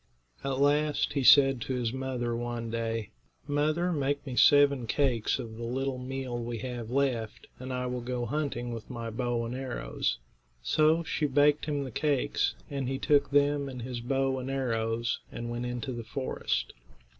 At last he said to his mother, one day: "Mother, make me seven cakes of the little meal we have left, and I will go hunting with my bow and arrows." So she baked him the cakes, and he took them and his bow and arrows and went into the forest.